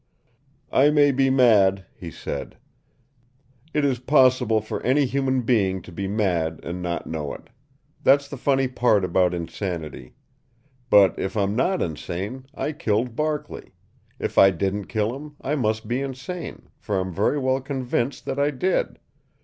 "I may be mad," he said. "It is possible for any human being to be mad and not know it. That's the funny part about insanity. But if I'm not insane, I killed Barkley; if I didn't kill him, I must be insane, for I'm very well convinced that I did.